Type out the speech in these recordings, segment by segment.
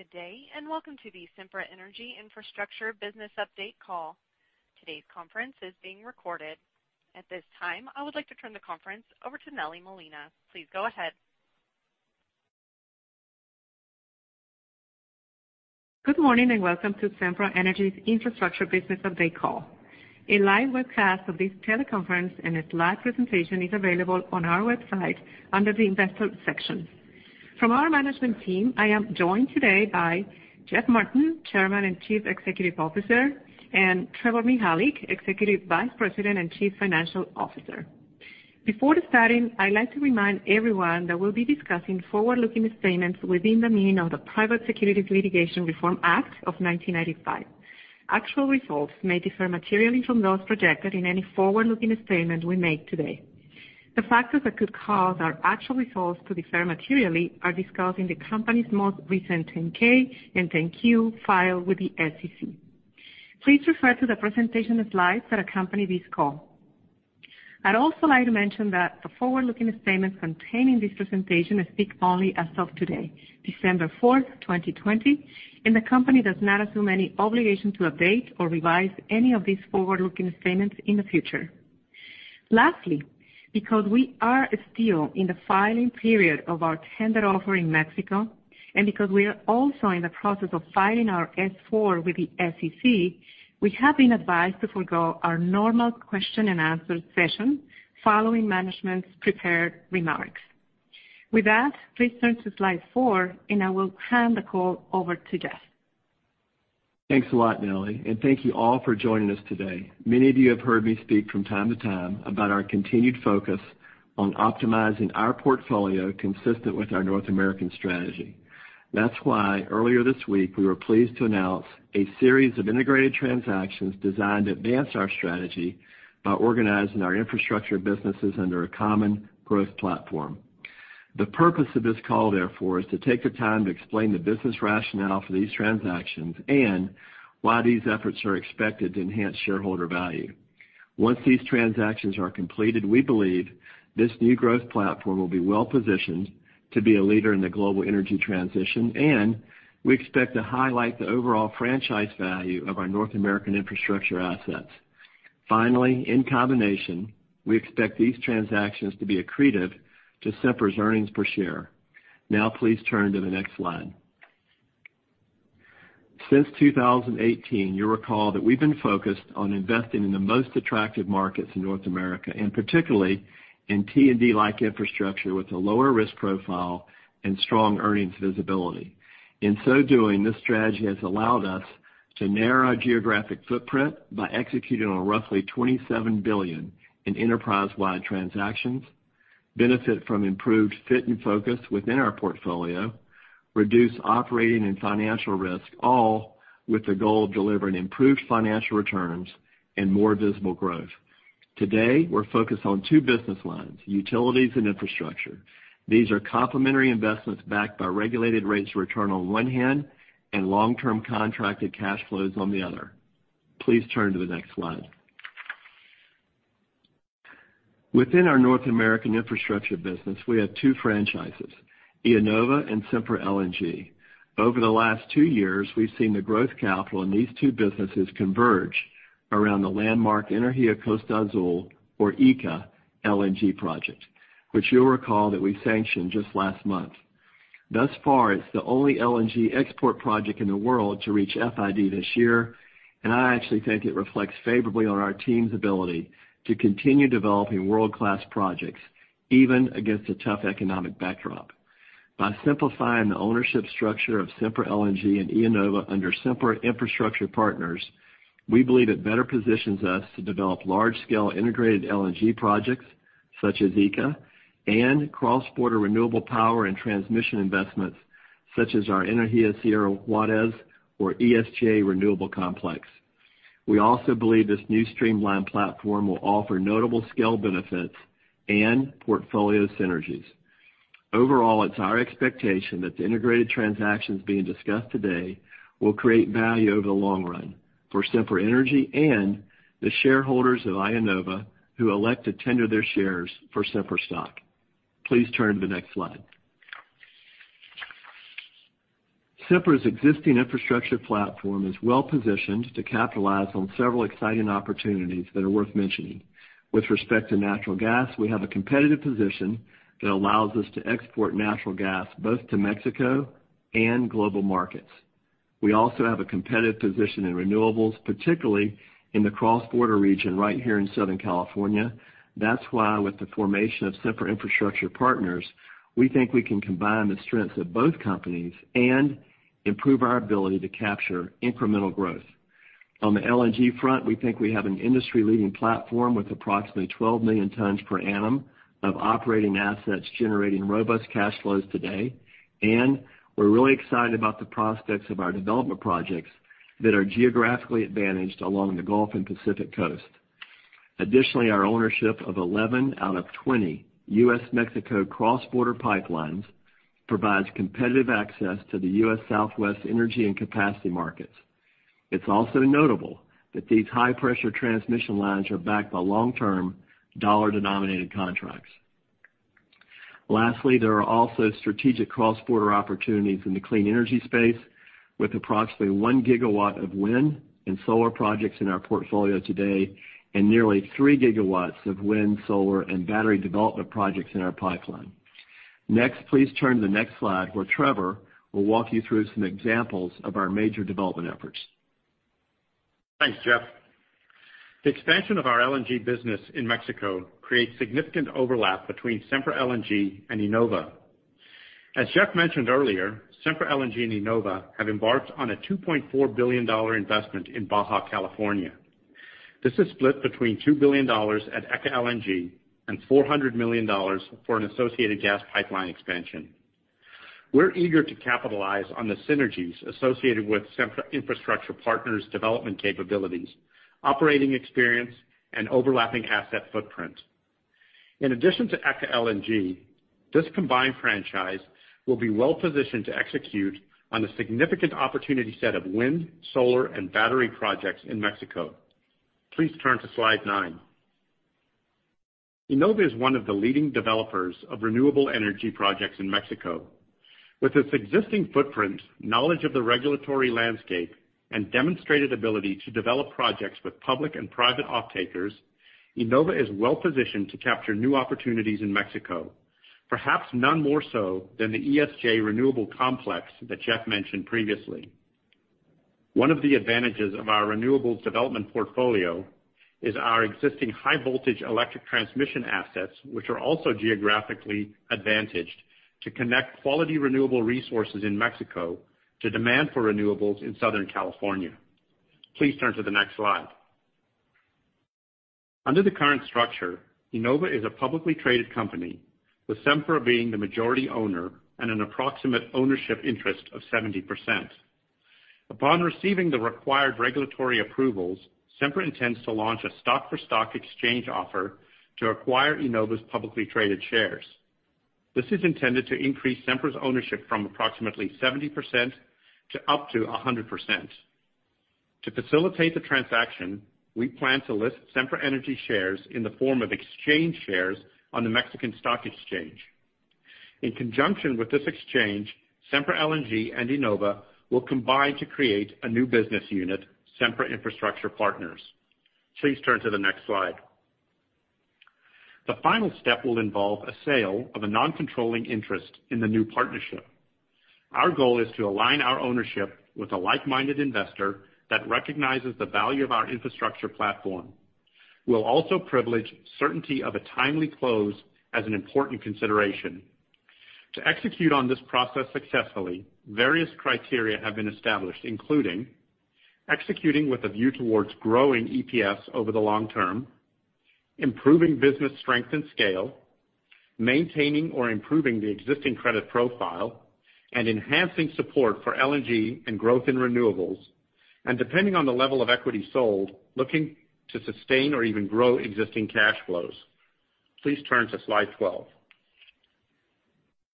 Good day, welcome to the Sempra Energy Infrastructure Business Update Call. Today's conference is being recorded. At this time, I would like to turn the conference over to Nelly Molina. Please go ahead. Good morning, and welcome to Sempra Energy's Infrastructure Business Update Call. A live webcast of this teleconference and its live presentation is available on our website under the investor section. From our management team, I am joined today by Jeff Martin, Chairman and Chief Executive Officer, and Trevor Mihalik, Executive Vice President and Chief Financial Officer. Before starting, I'd like to remind everyone that we'll be discussing forward-looking statements within the meaning of the Private Securities Litigation Reform Act of 1995. Actual results may differ materially from those projected in any forward-looking statement we make today. The factors that could cause our actual results to differ materially are discussed in the company's most recent 10-K and 10-Q filed with the SEC. Please refer to the presentation slides that accompany this call. I'd also like to mention that the forward-looking statements contained in this presentation speak only as of today, December fourth, 2020, and the company does not assume any obligation to update or revise any of these forward-looking statements in the future. Lastly, because we are still in the filing period of our tender offer in Mexico, and because we are also in the process of filing our S-4 with the SEC, we have been advised to forgo our normal question and answer session following management's prepared remarks. With that, please turn to slide four, and I will hand the call over to Jeff. Thanks a lot, Nelly, and thank you all for joining us today. Many of you have heard me speak from time to time about our continued focus on optimizing our portfolio consistent with our North American strategy. That's why, earlier this week, we were pleased to announce a series of integrated transactions designed to advance our strategy by organizing our infrastructure businesses under a common growth platform. The purpose of this call, therefore, is to take the time to explain the business rationale for these transactions and why these efforts are expected to enhance shareholder value. Once these transactions are completed, we believe this new growth platform will be well-positioned to be a leader in the global energy transition, and we expect to highlight the overall franchise value of our North American infrastructure assets. Finally, in combination, we expect these transactions to be accretive to Sempra's earnings per share. Now, please turn to the next slide. Since 2018, you'll recall that we've been focused on investing in the most attractive markets in North America, and particularly in T&D-like infrastructure with a lower risk profile and strong earnings visibility. In so doing, this strategy has allowed us to narrow our geographic footprint by executing on roughly $27 billion in enterprise-wide transactions, benefit from improved fit and focus within our portfolio, reduce operating and financial risk, all with the goal of delivering improved financial returns and more visible growth. Today, we're focused on two business lines, utilities and infrastructure. These are complementary investments backed by regulated rates of return on one hand, and long-term contracted cash flows on the other. Please turn to the next slide. Within our North American infrastructure business, we have two franchises, IEnova and Sempra LNG. Over the last two years, we've seen the growth capital in these two businesses converge around the landmark Energía Costa Azul, or ECA, LNG project, which you'll recall that we sanctioned just last month. Thus far, it's the only LNG export project in the world to reach FID this year, and I actually think it reflects favorably on our team's ability to continue developing world-class projects, even against a tough economic backdrop. By simplifying the ownership structure of Sempra LNG and IEnova under Sempra Infrastructure Partners, we believe it better positions us to develop large-scale integrated LNG projects such as ECA and cross-border renewable power and transmission investments such as our Energía Sierra Juárez, or ESJ, renewable complex. We also believe this new streamlined platform will offer notable scale benefits and portfolio synergies. Overall, it's our expectation that the integrated transactions being discussed today will create value over the long run for Sempra and the shareholders of IEnova who elect to tender their shares for Sempra stock. Please turn to the next slide. Sempra's existing infrastructure platform is well-positioned to capitalize on several exciting opportunities that are worth mentioning. With respect to natural gas, we have a competitive position that allows us to export natural gas both to Mexico and global markets. We also have a competitive position in renewables, particularly in the cross-border region right here in Southern California. That's why with the formation of Sempra Infrastructure Partners, we think we can combine the strengths of both companies and improve our ability to capture incremental growth. On the LNG front, we think we have an industry-leading platform with approximately 12 million tons per annum of operating assets generating robust cash flows today, and we're really excited about the prospects of our development projects that are geographically advantaged along the Gulf and Pacific Coast. Additionally, our ownership of 11 out of 20 U.S.-Mexico cross-border pipelines provides competitive access to the U.S. Southwest energy and capacity markets. It's also notable that these high-pressure transmission lines are backed by long-term dollar-denominated contracts. Lastly, there are also strategic cross-border opportunities in the clean energy space with approximately one gigawatt of wind and solar projects in our portfolio today, and nearly three gigawatts of wind, solar, and battery development projects in our pipeline. Next, please turn to the next slide where Trevor will walk you through some examples of our major development efforts. Thanks, Jeff. The expansion of our LNG business in Mexico creates significant overlap between Sempra LNG and IEnova. As Jeff mentioned earlier, Sempra LNG and IEnova have embarked on a $2.4 billion investment in Baja California. This is split between $2 billion at ECA LNG and $400 million for an associated gas pipeline expansion. We're eager to capitalize on the synergies associated with Sempra Infrastructure Partners' development capabilities, operating experience, and overlapping asset footprint. In addition to ECA LNG, this combined franchise will be well-positioned to execute on the significant opportunity set of wind, solar, and battery projects in Mexico. Please turn to slide nine. IEnova is one of the leading developers of renewable energy projects in Mexico. With its existing footprint, knowledge of the regulatory landscape, and demonstrated ability to develop projects with public and private off-takers, IEnova is well-positioned to capture new opportunities in Mexico, perhaps none more so than the ESJ renewable complex that Jeff mentioned previously. One of the advantages of our renewables development portfolio is our existing high-voltage electric transmission assets, which are also geographically advantaged to connect quality renewable resources in Mexico to demand for renewables in Southern California. Please turn to the next slide. Under the current structure, IEnova is a publicly traded company, with Sempra being the majority owner and an approximate ownership interest of 70%. Upon receiving the required regulatory approvals, Sempra intends to launch a stock-for-stock exchange offer to acquire IEnova's publicly traded shares. This is intended to increase Sempra's ownership from approximately 70% to up to 100%. To facilitate the transaction, we plan to list Sempra shares in the form of exchange shares on the Mexican Stock Exchange. In conjunction with this exchange, Sempra LNG and IEnova will combine to create a new business unit, Sempra Infrastructure Partners. Please turn to the next slide. The final step will involve a sale of a non-controlling interest in the new partnership. Our goal is to align our ownership with a like-minded investor that recognizes the value of our infrastructure platform. We'll also privilege certainty of a timely close as an important consideration. To execute on this process successfully, various criteria have been established, including executing with a view towards growing EPS over the long term, improving business strength and scale, maintaining or improving the existing credit profile, and enhancing support for LNG and growth in renewables. Depending on the level of equity sold, looking to sustain or even grow existing cash flows. Please turn to slide 12.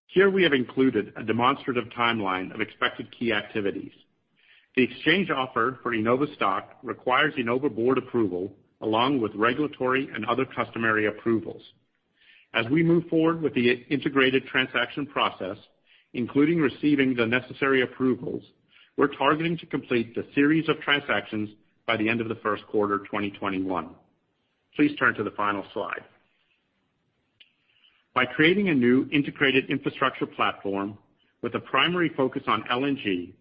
Here, we have included a demonstrative timeline of expected key activities. The exchange offer for IEnova stock requires IEnova board approval, along with regulatory and other customary approvals. As we move forward with the integrated transaction process, including receiving the necessary approvals, we're targeting to complete the series of transactions by the end of the first quarter 2021. Please turn to the final slide. By creating a new integrated infrastructure platform with a primary focus on LNG,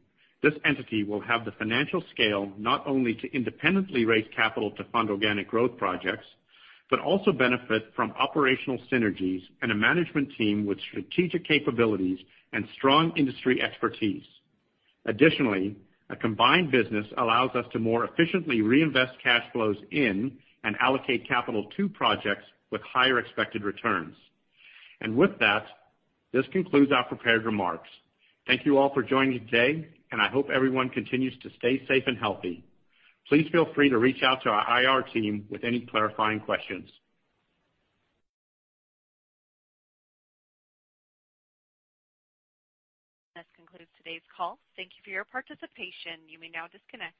this entity will have the financial scale not only to independently raise capital to fund organic growth projects, but also benefit from operational synergies and a management team with strategic capabilities and strong industry expertise. Additionally, a combined business allows us to more efficiently reinvest cash flows in and allocate capital to projects with higher expected returns. With that, this concludes our prepared remarks. Thank you all for joining today. I hope everyone continues to stay safe and healthy. Please feel free to reach out to our IR team with any clarifying questions. This concludes today's call. Thank you for your participation. You may now disconnect.